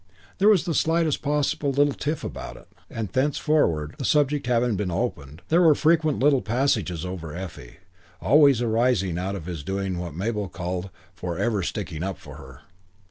There was the slightest possible little tiff about it; and thenceforward the subject having been opened there were frequent little passages over Effie, arising always out of his doing what Mabel called "forever sticking up for her."